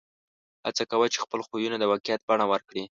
هڅه کوه چې خپل خوبونه د واقعیت بڼه ورکړې